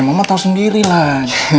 mama tau sendiri lah